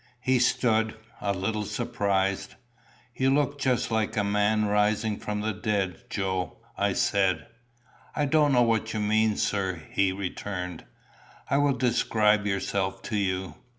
He stood a little surprised. "You look just like a man rising from the dead, Joe," I said. "I don't know what you mean, sir," he returned. "I will describe yourself to you.